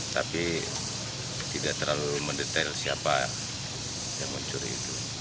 tapi tidak terlalu mendetail siapa yang mencuri itu